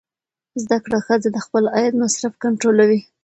زده کړه ښځه د خپل عاید مصرف کنټرولوي.